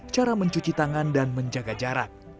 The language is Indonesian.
cara mencuci tangan dan menjaga jarak